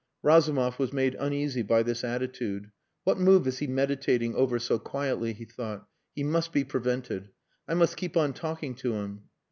Razumov was made uneasy by this attitude. "What move is he meditating over so quietly?" he thought. "He must be prevented. I must keep on talking to him."